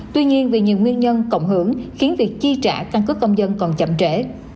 tuy nhiên vì nhiều nguyên nhân cộng hưởng khiến việc chi trả căn cứ công dân còn chậm trễ